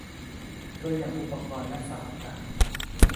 ตัวอย่างอุปกรณ์และเสาอากาศ